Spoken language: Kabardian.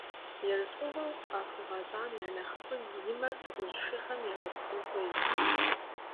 Ерыскъыгъуэу къахуигъэщӀам я нэхъыфӀым и мэр дыгъужь шырхэм егъэцӀыхун хуейт!